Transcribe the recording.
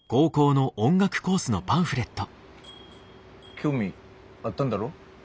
興味あったんだろ？